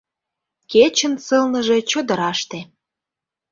Кечын сылныже — чодыраште.